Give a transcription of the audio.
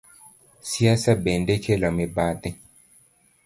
Siasa bende kelo mibadhi.